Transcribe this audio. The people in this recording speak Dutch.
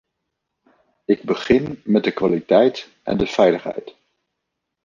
Ik begin met de kwaliteit en de veiligheid.